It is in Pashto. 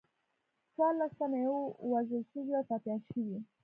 څوارلس تنه یې وژل شوي او ټپیان شوي.